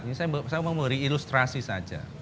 ini saya mau reilustrasi saja